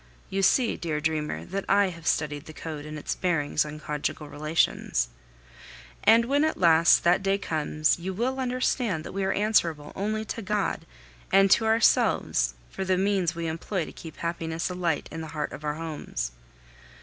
(You see, dear dreamer, that I have studied the code in its bearings on conjugal relations.) And when at last that day comes, you will understand that we are answerable only to God and to ourselves for the means we employ to keep happiness alight in the heart of our homes.